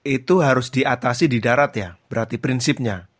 itu harus diatasi di darat ya berarti prinsipnya